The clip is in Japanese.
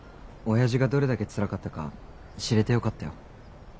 親父がどれだけつらかったか知れてよかったよ。